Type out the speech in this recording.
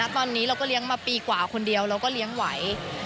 ตอนนี้เราก็เลี้ยงมาปีกว่าคนเดียวเราก็เลี้ยงไหว